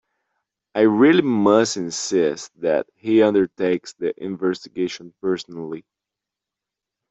I really must insist that he undertakes the investigation personally.